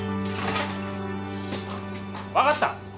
分かった。